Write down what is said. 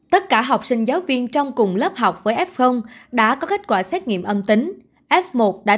tất cả học sinh giáo viên trong cùng lớp học với f đã có kết quả xét nghiệm âm tính f một đã